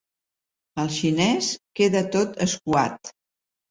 El xinès queda tot escuat.